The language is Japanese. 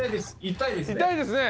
痛いですね。